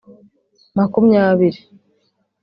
makumyabili